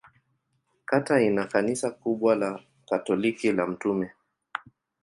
Kata ina kanisa kubwa la Katoliki la Mt.